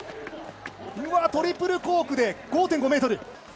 トリプルコークで５．５ｍ。